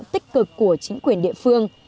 tích cực của chính quyền địa phương